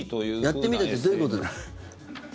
やってみたってどういうことですか？